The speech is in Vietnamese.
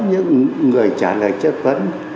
những người trả lời chất vấn